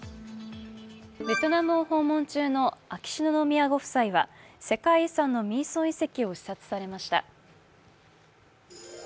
ベトナムを訪問中の秋篠宮ご夫妻は世界遺産のミーソン遺跡を視察されました。